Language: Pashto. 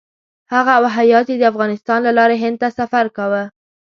هغه او هیات یې د افغانستان له لارې هند ته سفر کاوه.